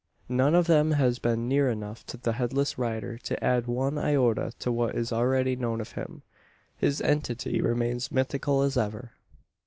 None of them has been near enough to the Headless rider to add one iota to what is already known of him. His entity remains mythical as ever!